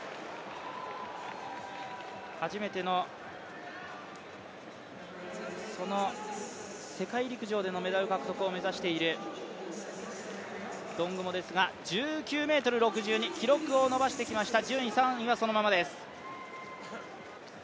初めての世界陸上でのメダル獲得を目指しているドングモですが、１９ｍ６２、記録を伸ばしてきました、順位３位はそのままです。